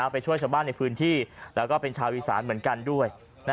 ไปช่วยชาวบ้านในพื้นที่แล้วก็เป็นชาวอีสานเหมือนกันด้วย